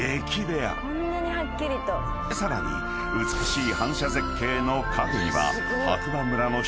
［さらに美しい］